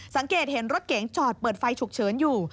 สังเกตเห็นรถเก๋งจอดเปิดไฟฉุกเฉินอยู่